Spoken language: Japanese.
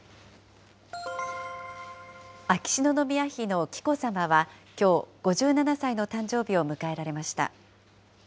秋篠宮妃の紀子さまはきょう、５７歳の誕生日を迎えられました。